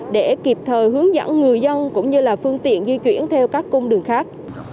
để kịp thời hướng dẫn người dân cũng như là phương tiện di chuyển theo các cung đường khác